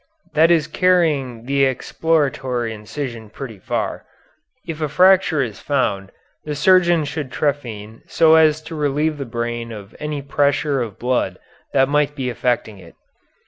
That is carrying the exploratory incision pretty far. If a fracture is found the surgeon should trephine so as to relieve the brain of any pressure of blood that might be affecting it.